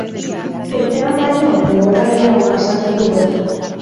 Etxean baino denbora gehiago pasatzen du bertan.